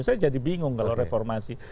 saya jadi bingung kalau reformasi